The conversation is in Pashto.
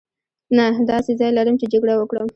نه داسې ځای لرم چې جګړه وکړم.